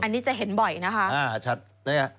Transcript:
อันนี้จะเห็นบ่อยนะคะ